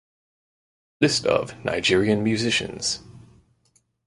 List of Nigerian musicians